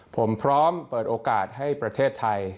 ผมพร้อมเปิดโอกาสให้ประเทศไทย